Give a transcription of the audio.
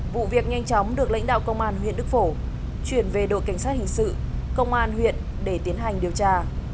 vụ việc nhanh chóng được lãnh đạo công an huyện đức phổ chuyển về đội cảnh sát hình sự công an huyện để tiến hành điều tra